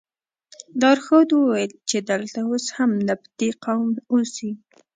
لارښود وویل چې دلته اوس هم نبطي قوم اوسي.